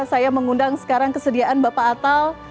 saya mengundang sekarang kesediaan bapak atal